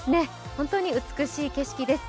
本当に美しい景色です。